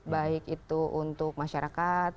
baik itu untuk masyarakat